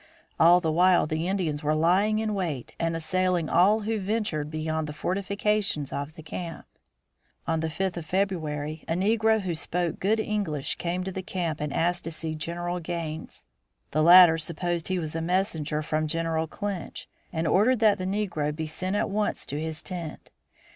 All the while the Indians were lying in wait and assailing all who ventured beyond the fortifications of the camp. On the fifth of February a negro who spoke good English came to the camp and asked to see General Gaines. The latter supposed he was a messenger from General Clinch, and ordered that the negro be sent at once to his tent.